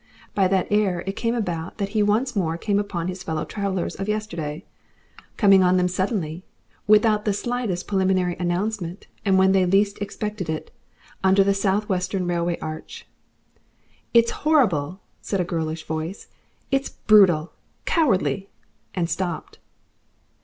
By that error it came about that he once more came upon his fellow travellers of yesterday, coming on them suddenly, without the slightest preliminary announcement and when they least expected it, under the Southwestern Railway arch. "It's horrible," said a girlish voice; "it's brutal cowardly " And stopped.